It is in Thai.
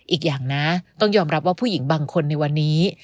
อีกอย่างนะต้องยอมรับว่าผู้หญิงบางคนในวันนี้